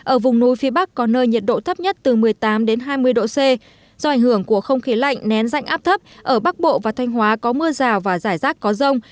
ở vùng núi phía bắc có nơi nhiệt độ thấp nhất từ một mươi tám hai mươi độ c do ảnh hưởng của không khí lạnh nén dạnh áp thấp ở bắc bộ và thanh hóa có mưa rào và rải rác có rông